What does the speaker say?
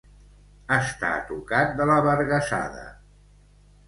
Estar tocat de la vergassada.